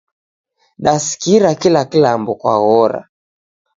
Dasikira kila kilambo kwaghora